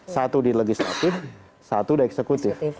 satu di legislatif satu di eksekutif